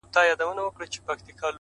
بيا نو منم چي په اختـر كي جــادو.!